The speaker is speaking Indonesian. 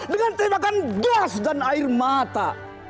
dengan tembakan gas dan air mata